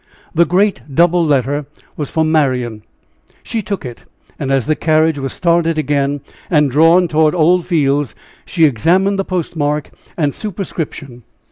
The great double letter was for Marian. She took it, and as the carriage was started again, and drawn toward Old Fields, she examined the post mark and superscription.